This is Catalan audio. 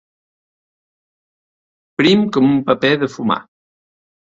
Prim com un paper de fumar.